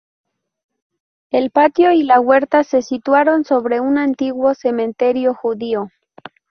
El patio y la huerta se situaron sobre un antiguo cementerio judío.